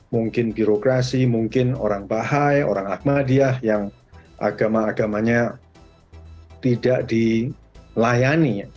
mungkin birokrasi mungkin orang bahai orang ahmadiyah yang agama agamanya tidak dilayani